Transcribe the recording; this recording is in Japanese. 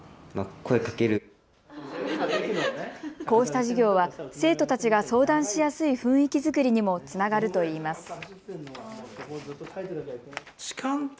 こうした授業は生徒たちが相談しやすい雰囲気作りにもつながるといいます。